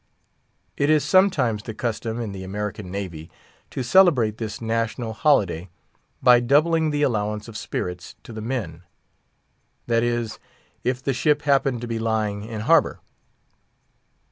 It is sometimes the custom in the American Navy to celebrate this national holiday by doubling the allowance of spirits to the men; that is, if the ship happen to be lying in harbour.